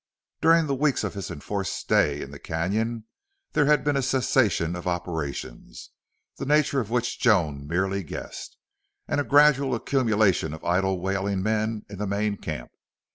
During the weeks of his enforced stay in the canon there had been a cessation of operations the nature of which Joan merely guessed and a gradual accumulation of idle wailing men in the main camp.